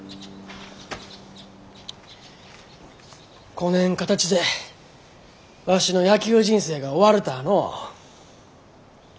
こねん形でわしの野球人生が終わるたあのう。